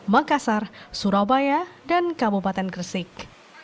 makassar surabaya dan kabupaten gresik